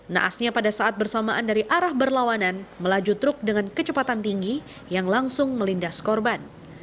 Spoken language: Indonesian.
naasnya pada saat bersamaan dari arah berlawanan melaju truk dengan kecepatan tinggi yang langsung melindas korban